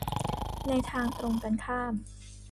ในทางตรงกันข้าม